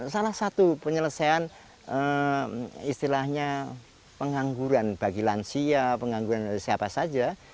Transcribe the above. salah satu penyelesaian istilahnya pengangguran bagi lansia pengangguran dari siapa saja